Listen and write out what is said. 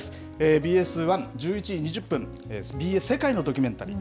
ＢＳ１、１１時２０分、ＢＳ世界のドキュメンタリー。